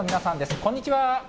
こんにちは。